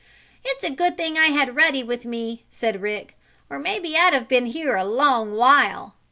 "It's a good thing I had Ruddy with me," said Rick, "or maybe I'd have been here a long while."